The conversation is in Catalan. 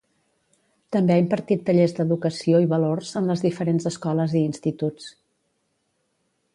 També ha impartit tallers d’educació i valors en les diferents escoles i instituts.